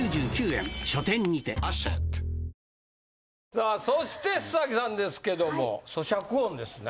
さあそして須さんですけども咀嚼音ですね。